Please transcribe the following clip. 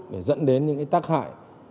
để dẫn đến những cái tác hại